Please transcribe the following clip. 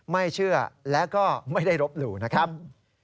ไม่เชื่อและก็ไม่ได้รบหลู่นะครับ